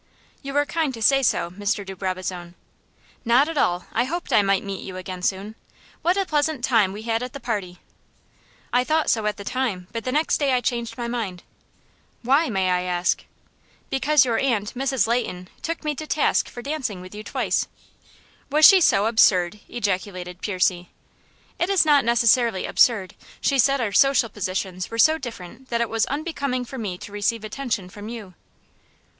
"You are kind to say so, Mr. de Brabazon." "Not at all. I hoped I might meet you again soon. What a pleasant time we had at the party." "I thought so at the time, but the next day I changed my mind." "Why, may I ask?" "Because your aunt, Mrs. Leighton, took me to task for dancing with you twice." "Was she so absurd?" ejaculated Percy. "It is not necessarily absurd. She said our social positions were so different that it was unbecoming for me to receive attention from you."